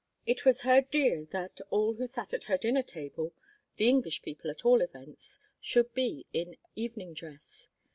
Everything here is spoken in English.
It was her desire that all who sat at her dinner table the English people, at all events should be in evening dress.